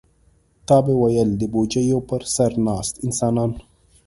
تا به ویل د بوجیو پر سر ناست انسانان.